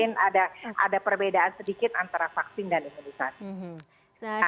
mungkin ada perbedaan sedikit antara vaksin dan imunisasi